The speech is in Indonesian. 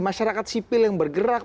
masyarakat sipil yang bergerak